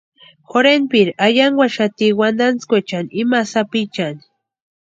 Jorhenpiri ayankwaxati wantantskwechani imani sapichani.